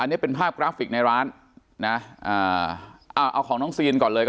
อันนี้เป็นภาพกราฟิกในร้านนะอ่าเอาของน้องซีนก่อนเลย